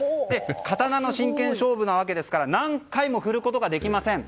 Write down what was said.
刀の真剣勝負なわけですから何回も振ることができません。